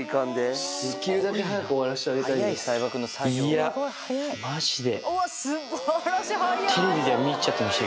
いやマジで。